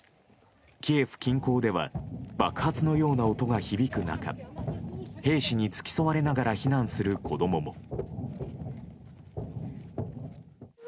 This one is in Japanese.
キエフ近郊では爆発のような音が響く中兵士に付き添われながら避難する子供も。